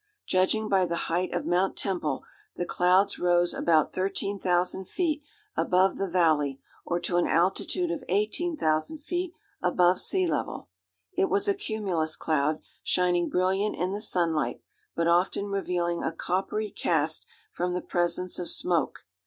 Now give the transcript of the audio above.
Judging by the height of Mount Temple, the clouds rose about 13,000 feet above the valley, or to an altitude of 18,000 feet above sea level. It was a cumulus cloud, shining brilliant in the sunlight, but often revealing a coppery cast from the presence of smoke.